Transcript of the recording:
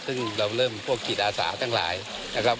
ซึ่งเราเริ่มพวกจิตอาสาทั้งหลายนะครับ